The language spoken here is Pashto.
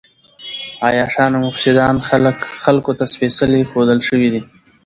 عياشان او مفسدان خلکو ته سپېڅلي ښودل شوي دي.